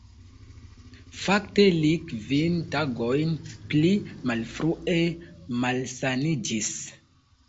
Fakte li kvin tagojn pli malfrue malsaniĝis.